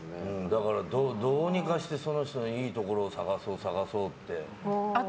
だから、どうにかしてその人のいいところを探そうって。